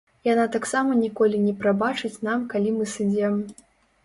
Яна таксама ніколі не прабачыць нам калі мы сыдзем.